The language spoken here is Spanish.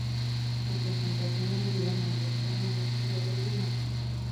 Sus presentaciones en vivo mantenían un estilo alegre y movido.